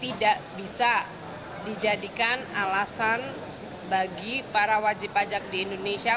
tidak bisa dijadikan alasan bagi para wajib pajak di indonesia